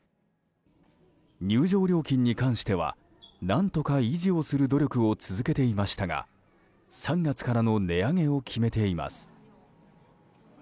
入場料金に関しては何とか維持をする努力を続けていましたが、３月からの値上げを決めています。